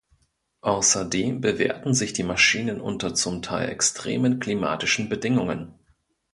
Außerdem bewährten sich die Maschinen unter zum Teil extremen klimatischen Bedingungen.